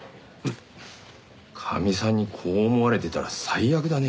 かみさんにこう思われてたら最悪だね。